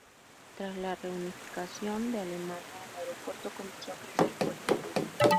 Tras la reunificación de Alemania, el aeropuerto comenzó a crecer fuertemente.